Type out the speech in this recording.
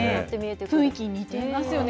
雰囲気似てますよね。